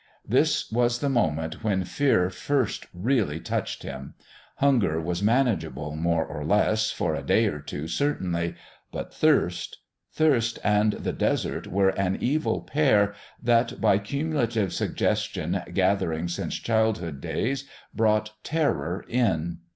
This was the moment when fear first really touched him. Hunger was manageable, more or less for a day or two, certainly. But thirst! Thirst and the Desert were an evil pair that, by cumulative suggestion gathering since childhood days, brought terror in.